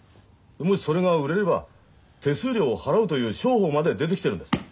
もしそれが売れれば手数料を払うという商法まで出てきてるんです。